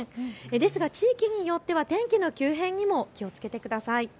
ですが地域によっては天気の急変にも気をつけてください。